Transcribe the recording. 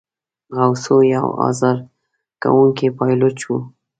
غوثو یو آزار کوونکی پایلوچ وو.